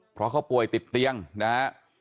เพราะเขาป่วยติดเตียงนะฮะ